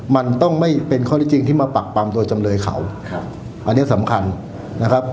มันต้องไม่เป็นข้อที่จริงที่มาปักปำตัวจำเลยเขาครับอันนี้สำคัญนะครับ